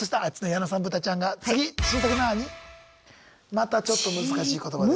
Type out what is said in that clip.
またちょっと難しい言葉です。